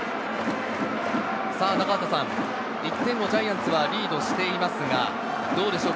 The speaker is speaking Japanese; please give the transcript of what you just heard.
中畑さん、１点をジャイアンツはリードしていますが、どうでしょう？